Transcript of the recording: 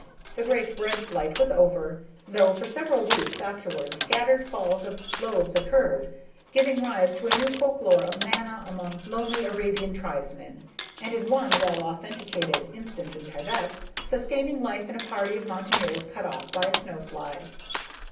The great bread flight was over, though for several weeks afterward scattered falls of loaves occurred, giving rise to a new folklore of manna among lonely Arabian tribesmen, and in one well authenticated instance in Tibet, sustaining life in a party of mountaineers cut off by a snow slide.